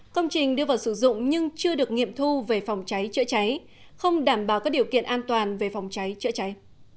công trình đưa vào sử dụng nhưng chưa được nghiệm thu về phòng cháy chữa cháy không đảm bảo các điều kiện an toàn về phòng cháy chữa cháy